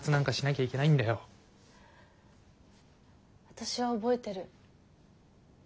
私は覚えてる。